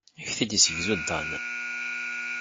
Ad ak-t-id-yessegzu Dan.